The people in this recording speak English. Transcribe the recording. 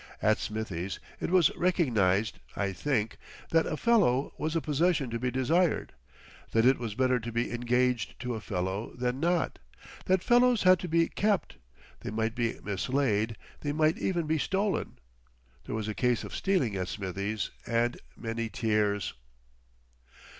At Smithie's it was recognised, I think, that a "fellow" was a possession to be desired; that it was better to be engaged to a fellow than not; that fellows had to be kept—they might be mislaid, they might even be stolen. There was a case of stealing at Smithie's, and many tears.